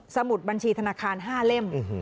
มุดบัญชีธนาคาร๕เล่ม